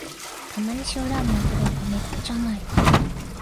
たまに塩ラーメンを食べるとめっちゃうまい